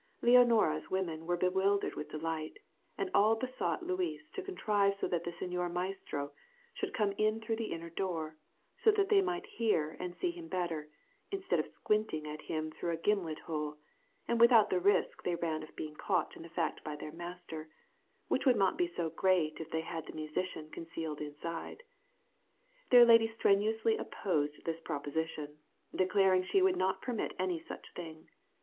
Leonora's women were bewildered with delight, and all besought Luis to contrive so that the señor maestro should come in through the inner door, so that they might hear and see him better, instead of squinting at him through a gimlet hole, and without the risk they ran of being caught in the fact by their master, which would not be so great if they had the musician concealed inside. Their lady strenuously opposed this proposition, declaring she would not permit any such thing.